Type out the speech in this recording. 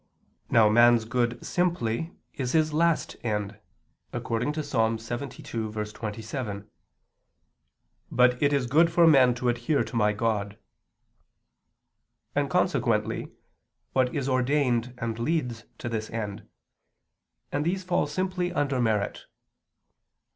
Now man's good simply is his last end (according to Ps. 72:27: "But it is good for men to adhere to my God") and consequently what is ordained and leads to this end; and these fall simply under merit.